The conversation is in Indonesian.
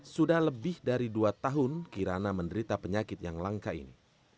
sudah lebih dari dua tahun kirana menderita penyakit yang langka ini